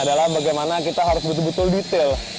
adalah bagaimana saya harus doctor detail